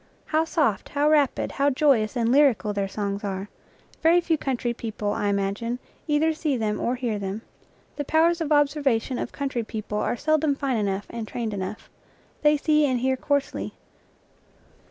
How soft, how rapid, how joyous and lyrical their songs are! Very few country people, I imagine, either see them or hear them. The powers of observation of country people are seldom fine enough and trained enough. They see and hear coarsely.